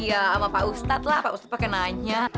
iya sama pak ustadz lah pak ustadz pakai nanya